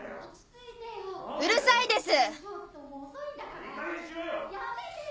うるさいです！